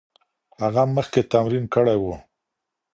هغه مخکې تمرین کړی و.